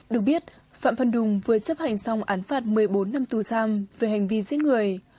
được biết phạm văn đồng vừa chấp hành xong án phạt một mươi bốn năm tù giam về hành vi giết người